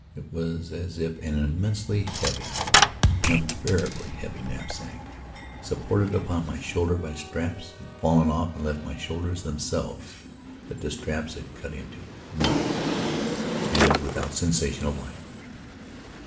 It was as if an immensely heavyan unbearably heavy knapsack, supported upon my shoulders by straps, had fallen off and left my shoulders themselves that the straps had cut into, numb and without sensation of life.